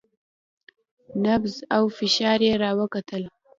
نبض او فشار يې راوکتل.